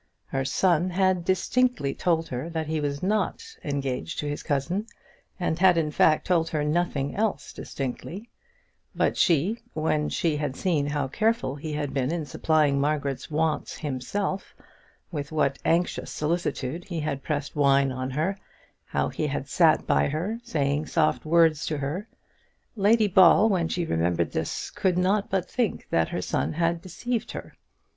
Her son had distinctly told her that he was not engaged to his cousin, and had in fact told her nothing else distinctly; but she, when she had seen how careful he had been in supplying Margaret's wants himself, with what anxious solicitude he had pressed wine on her; how he had sat by her saying soft words to her Lady Ball, when she remembered this, could not but think that her son had deceived her.